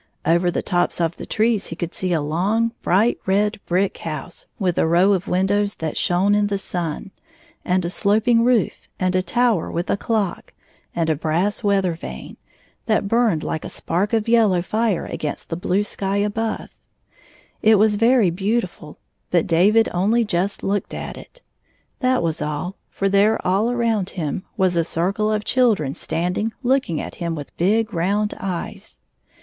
Over the tops of the trees he could see a long, bright red brick house, with a row of windows that shone in the sun, and a sloping roof, and a tower with a clock, and a brass weather vane, that burned like a spark of yellow fire against the blue sky above. It was very beautiful, but David only just looked at it. That was all ; for there all around him was a circle of children standing looking at him with big round eyes.